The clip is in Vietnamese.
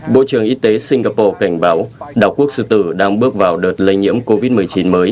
bộ trưởng y tế singapore cảnh báo đảo quốc sư tử đang bước vào đợt lây nhiễm covid một mươi chín mới